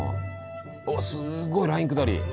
おっすごいライン下り。